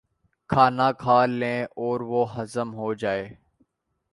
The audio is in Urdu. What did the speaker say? کھانا کھا لیں اور وہ ہضم ہو جائے۔